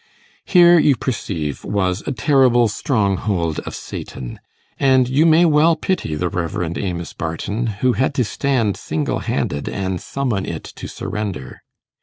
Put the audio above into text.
Here, you perceive, was a terrible stronghold of Satan; and you may well pity the Rev. Amos Barton, who had to stand single handed and summon it to surrender.